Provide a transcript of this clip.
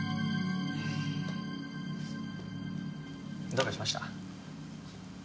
どうかしました？